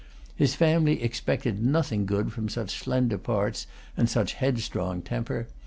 His family expected nothing good from such slender parts and such a headstrong temper.